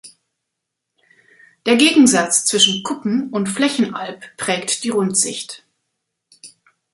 Der Gegensatz zwischen Kuppen- und Flächenalb prägt die Rundsicht.